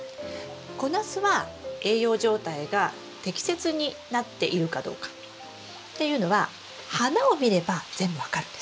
小ナスは栄養状態が適切になっているかどうかっていうのは花を見れば全部分かるんです。